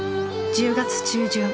１０月中旬。